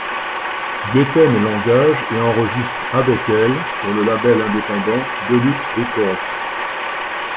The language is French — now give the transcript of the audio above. Gayten l'engage et enregistre avec elle pour le label indépendant De Luxe Records.